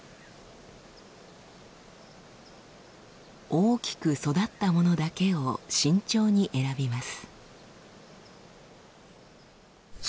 大きく育ったものだけを慎重に選びます。